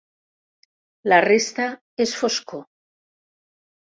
La resta és foscor.